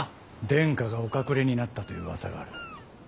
殿下がお隠れになったといううわさがある。